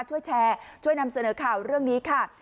ช่วยแชร์ช่วยนำเสนอข่าวเรื่องนี้ค่ะ